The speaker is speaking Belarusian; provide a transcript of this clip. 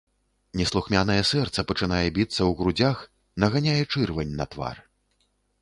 Неслухмянае сэрца пачынае біцца ў грудзях, наганяе чырвань на твар.